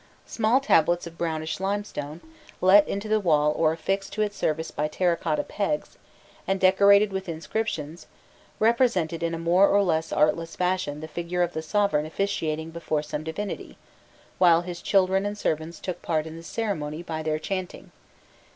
Small tablets of brownish limestone, let into the wall or affixed to its surface by terra cotta pegs, and decorated with inscriptions, represented in a more or less artless fashion the figure of the sovereign officiating before some divinity, while his children and servants took part in the ceremony by their chanting.